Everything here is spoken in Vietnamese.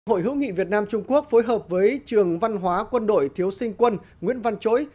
hội hữu nghị việt nam trung quốc phối hợp với trường văn hóa quân đội thiếu sinh quân nguyễn văn chối